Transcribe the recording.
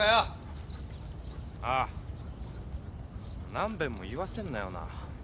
何遍も言わせんなよな。